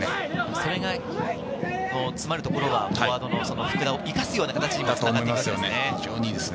それが集まるところはフォワードの福田を生かすような形になるんですね。